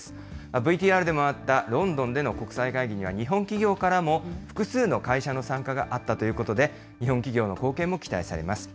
ＶＴＲでもあったロンドンでの国際会議には、日本企業からも複数の会社の参加があったということで、日本企業の貢献も期待されます。